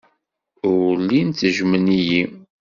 Ur llin ttejjmen-iyi.